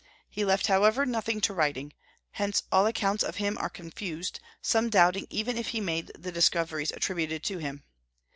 He left, however, nothing to writing; hence all accounts of him are confused, some doubting even if he made the discoveries attributed to him.